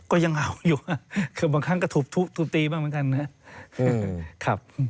ก็ยังเอาอยู่คือบางครั้งก็ทุบตีบ้างเหมือนกันนะครับ